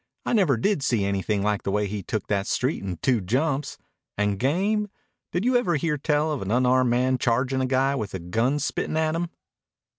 I never did see anything like the way he took that street in two jumps. And game? Did you ever hear tell of an unarmed man chargin' a guy with a gun spittin' at him?"